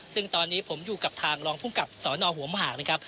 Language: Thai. ซึ่งตอนนี้ผมอยู่กับทางรองภูมิกับสนหัวหมากนะครับ